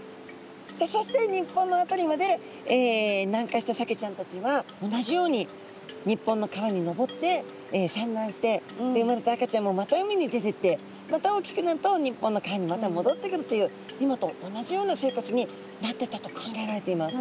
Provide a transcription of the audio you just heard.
そして日本の辺りまで南下したサケちゃんたちは同じように日本の川に上って産卵してで生まれた赤ちゃんもまた海に出てってまた大きくなると日本の川にまたもどってくるという今と同じような生活になってったと考えられています。